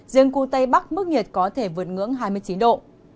riêng khu tây bắc mức nhiệt có thể vượt ngưỡng hai mươi chín độ